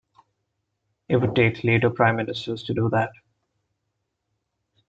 It would take later prime ministers to do that.